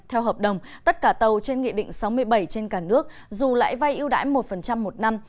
theo hợp đồng tất cả tàu trên nghị định sáu mươi bảy trên cả nước dù lại vai yêu đãi một một năm